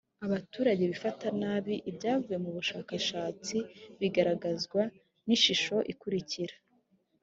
abaturage bifata nabi ibyavuye mu bushakashatsi bigaragazwa n ishusho ikurikira